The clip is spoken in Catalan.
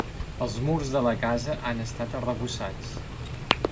Els murs de la casa han estat arrebossats.